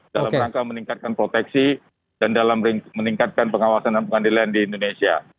dalam rangka meningkatkan proteksi dan dalam meningkatkan pengawasan dan pengadilan di indonesia